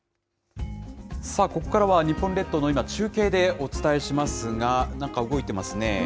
さあ、ここからは日本列島の今、中継でお伝えしますが、なんか動いてますね。